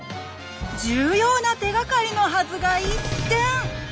重要な手がかりのはずが一転！